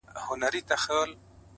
علم د بریا بنسټیز شرط دی!